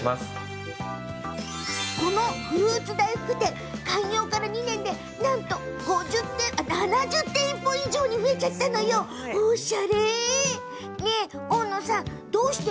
このフルーツ大福店開業から２年で、なんと７０店舗以上に増えたんですって。